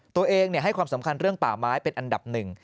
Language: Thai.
ตัวเองให้ความสำคัญเรื่องป่าไม้เป็นอันดับหนึ่ง